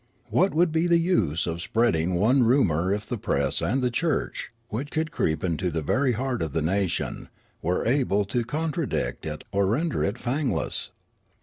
What would be the use of spreading one rumour if the press and the church, which could creep into the very heart of the nation, were able to contra dict it or render it fangless